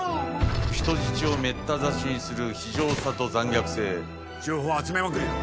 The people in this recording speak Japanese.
人質をめった刺しにする非情情報を集めまくるよ。